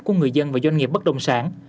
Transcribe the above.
của người dân và doanh nghiệp bất đồng sản